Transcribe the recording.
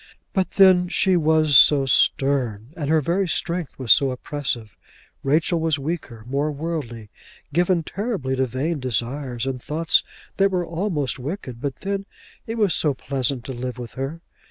But then she was so stern, and her very strength was so oppressive! Rachel was weaker, more worldly, given terribly to vain desires and thoughts that were almost wicked; but then it was so pleasant to live with her!